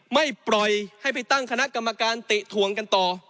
ไม่ปล่อยให้ไปตั้งคณะกรรมการเตะถวงกันต่อ